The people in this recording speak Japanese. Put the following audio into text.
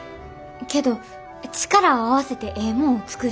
けど力を合わせてええもんを作る。